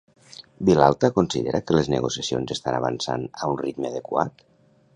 Vilalta considera que les negociacions estan avançant a un ritme adequat?